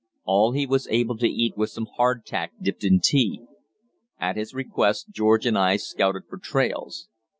All he was able to eat was some hardtack dipped in tea. At his request George and I scouted for trails.